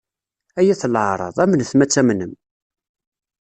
Ay at leɛraḍ! Amnet ma ad tamnem.